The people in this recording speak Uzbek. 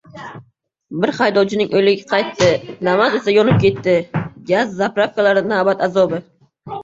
Bir haydovchining o‘ligi qaytdi, Damas esa yonib ketdi — gaz-zapravkalarda navbat azobi